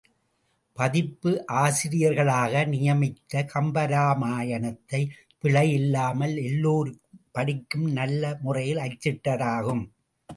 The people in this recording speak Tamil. முதலியோர்களைப் பதிப்பாசிரியர்களாக நியமித்து கம்பராமாயணத்தைப் பிழை இல்லாமல் எல்லோரும் படிக்கும் வண்ணம் நல்ல முறையில் அச்சிட்டதாகும்.